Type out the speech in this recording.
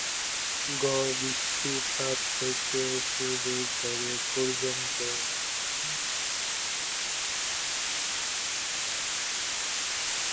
গড় বার্ষিক বৃষ্টিপাত থেকে শুরু করে পর্যন্ত।